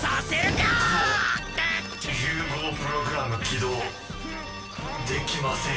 ぐおっ融合プログラム起動できません。